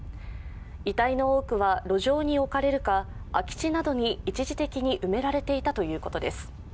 遺体の多くは路上に置かれるか、空き地などに一時的に埋められていたということです。